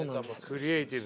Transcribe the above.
クリエイティブ。